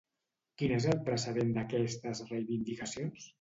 Quin és el precedent d'aquestes reivindicacions?